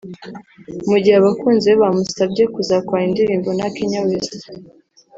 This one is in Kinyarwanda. Mu gihe abakunzi be bamusabye kuzakorana indirimbo na Kanye West